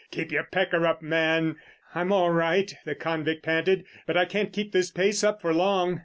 "Keep your pecker up, man!" "I'm all right," the convict panted; "but I can't keep this pace up for long."